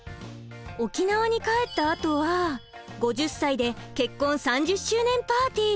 沖縄に帰ったあとは５０歳で結婚３０周年パーティー。